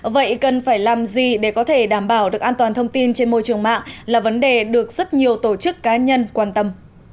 vậy cần phải làm gì để có thể đảm bảo được an toàn thông tin trên môi trường mạng là vấn đề được rất nhiều tổ chức cá nhân quan tâm